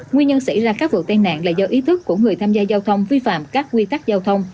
nguyên nhân xảy ra các vụ tai nạn là do ý thức của người tham gia giao thông vi phạm các quy tắc giao thông